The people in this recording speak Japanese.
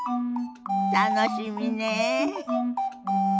楽しみねえ。